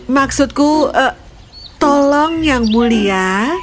maksudku tolong yang mulia